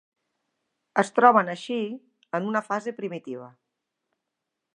Es troben així, en una fase primitiva.